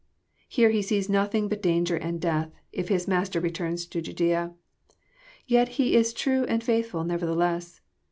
Here he sees nothing but danger and death, if his Master returns to Judaea. Yet he is true and faithfbl nevertheless.